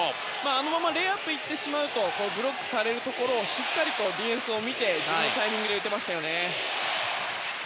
あのままレイアップに行ってしまうとブロックされるところをしっかりディフェンスを見て自分のタイミングで打てました。